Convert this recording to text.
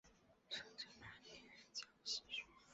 顺治八年任江西巡抚。